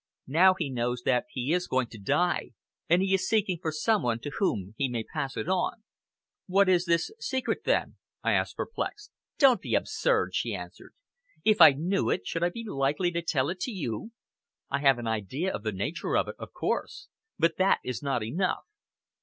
Now he knows that he is going to die, and he is seeking for some one to whom he may pass it on." "What is this secret then?" I asked, perplexed. "Don't be absurd," she answered. "If I knew it, should I be likely to tell it to you? I have an idea of the nature of it, of course. But that is not enough."